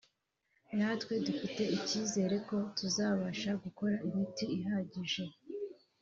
natwe dufite icyizere ko tuzabasha gukora imiti ihagije